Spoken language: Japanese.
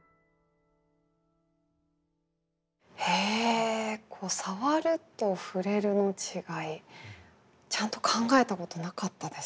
へえさわるとふれるの違いちゃんと考えたことなかったです。